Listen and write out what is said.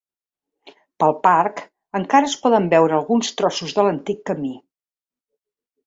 Pel parc encara es poden veure alguns trossos de l'antic camí.